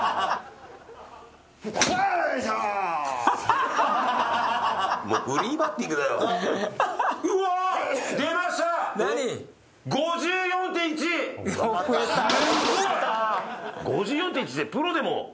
５４．１ってプロでも。